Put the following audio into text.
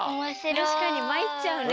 たしかにまいっちゃうね。